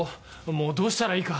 もうどうしたらいいか。